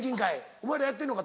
お前らやってんのか？